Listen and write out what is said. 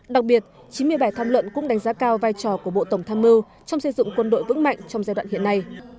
đặc biệt chín mươi bảy tham luận cũng đánh giá cao vai trò của bộ tổng tham mưu trong xây dựng quân đội vững mạnh trong giai đoạn hiện nay